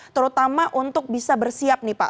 terutama untuk bisa bersiap nih pak